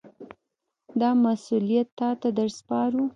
دا مسوولیت تاته در سپارو.